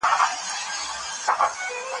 لګښتونه باید د یو پلان له مخې وي.